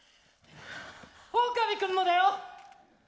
オオカミ君もだよ！何！？